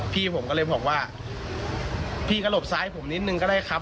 พี่ผมก็เลยบอกว่าพี่ก็หลบซ้ายผมนิดนึงก็ได้ครับ